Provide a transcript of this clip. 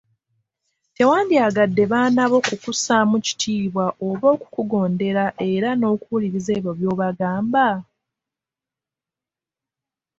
Tewandyagadde baana bo kukussaamu kitiibwa oba okukugondera era n'okuwuliriza ebyo by'obagamba ?